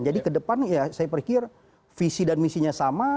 ke depan ya saya pikir visi dan misinya sama